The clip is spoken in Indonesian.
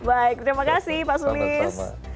baik terima kasih pak sulis